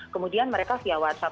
kemudian mereka via whatsapp